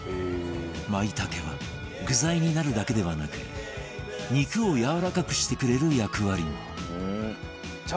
まいたけは具材になるだけではなく肉をやわらかくしてくれる役割も